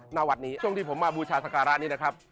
ณวัดนี้ช่วงที่ผมมาบูชาสการะนี้นะครับ